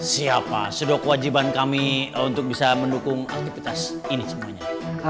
siapa sudah kewajiban kami untuk bisa mendukung aktivitas ini semuanya